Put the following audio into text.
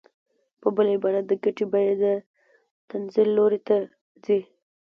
په بل عبارت د ګټې بیه د تنزل لوري ته ځي